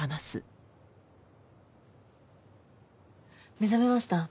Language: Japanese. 目覚めました。